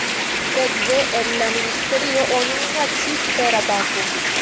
Sekve el la ministerio oni minacis per atako.